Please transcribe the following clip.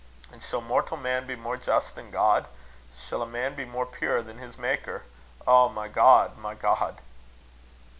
An' shall mortal man be more just than God? Shall a man be more pure than his Maker? O my God! my God!"